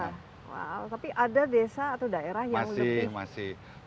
tapi ada desa atau daerah yang lebih berhasil dari pandangan lain